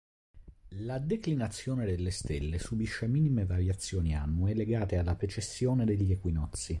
La declinazione delle stelle subisce minime variazioni annue legate alla precessione degli equinozi.